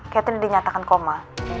catherine dinyatakan koma